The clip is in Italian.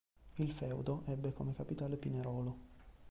Il feudo ebbe come capitale Pinerolo.